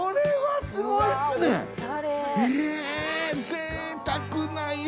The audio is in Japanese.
ぜいたくな石の。